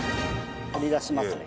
取り出しますね。